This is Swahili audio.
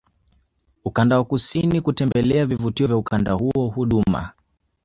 ukanda wa kusini kutembelea vivutio vya ukanda huo Huduma